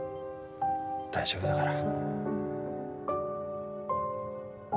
大丈夫だから